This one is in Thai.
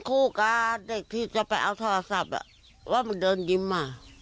คู่กับเด็กที่จะไปเอาโทรศัพท์อ่ะว่ามันเดินยิ้มอ่ะ